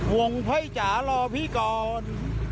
วงไพร่จ๋ารอพี่ก่อน